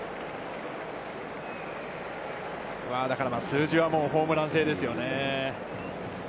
数字はホームラン性ですよね。